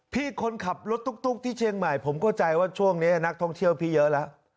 พี่คนขับรถตุ๊กที่เชียงใหม่ผมเข้าใจว่าช่วงนี้นักท่องเที่ยวพี่เยอะแล้ว